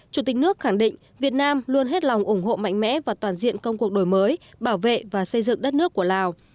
chủ tịch nước khẳng định việt nam luôn hết lòng ủng hộ mạnh mẽ và toàn diện công cuộc đổi mới bảo vệ và xây dựng đất nước của lào